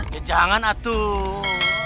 ya jangan atuh